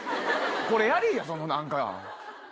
これやりぃやその何か。